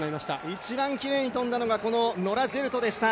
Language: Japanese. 一番きれいに飛んだのがこのノラ・ジェルトでした。